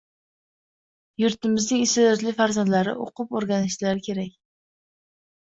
Yurtimizning isteʼdodli farzandlari oʻqib-oʻrganishlarikerak